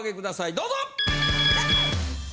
どうぞ！